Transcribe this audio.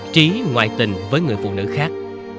trí ngoài tình với người phụ nữ khác